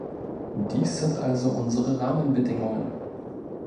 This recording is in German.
Dies sind also unsere Rahmenbedingungen.